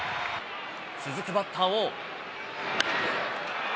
続くバッターを。